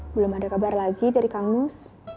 belum ada kabar lagi dari kang nus